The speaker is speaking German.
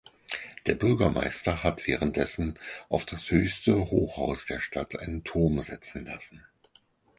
Der Bürgermeister hat währenddessen auf das höchste Hochhaus der Stadt einen Turm setzen lassen.